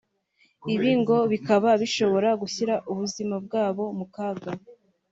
ibi ngo bikaba bishobora gushyira ubuzima bwabo mu kaga